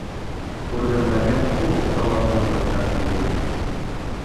Күргәҙмәгә ҡул оҫталары ла байтаҡ килгәйне.